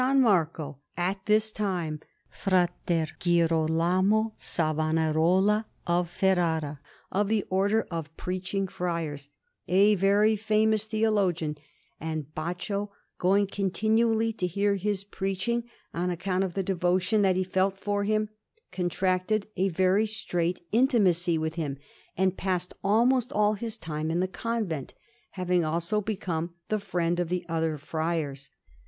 Marco, at this time, Fra Girolamo Savonarola of Ferrara, of the Order of Preaching Friars, a very famous theologian; and Baccio, going continually to hear his preaching, on account of the devotion that he felt for him, contracted a very strait intimacy with him, and passed almost all his time in the convent, having also become the friend of the other friars.